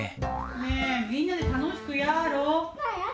ねえみんなで楽しくやろう。